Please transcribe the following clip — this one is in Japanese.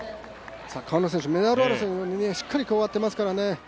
川野選手、メダル争いにしっかり加わってますからね